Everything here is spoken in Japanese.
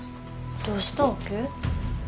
どうしたわけ？